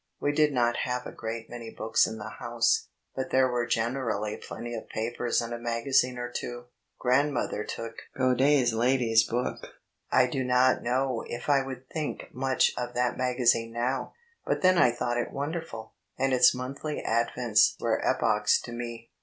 We did not have a great many books in the house, but there were generally plenty of papers and a magazine or two. Grandmother took Godty's Lady's Book. I do not know if I would think much of that magazine now, but then I thought it wonderful, and its monthly advents were epochs to me.